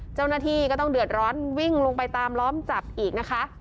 เจ้าหน้าที่ก็ต้องเดือดร้อนวิ่งลงไปตามล้อมจับอีกนะคะ